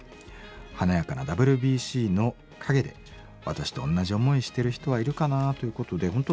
華やかなＷＢＣの陰で私と同じ思いしてる人はいるかなあ」ということで本当